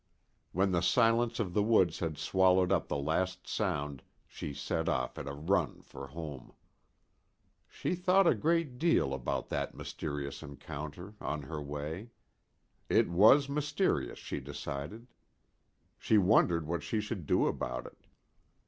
When the silence of the woods had swallowed up the last sound she set off at a run for home. She thought a great deal about that mysterious encounter on her way. It was mysterious, she decided. She wondered what she should do about it.